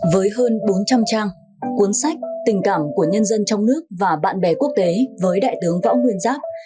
với hơn bốn trăm linh trang cuốn sách tình cảm của nhân dân trong nước và bạn bè quốc tế với đại tướng võ nguyên giáp